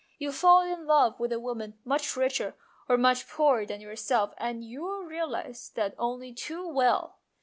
You fall in love with a woman much richer or much poorer than yourself, and you'll realize that only too well.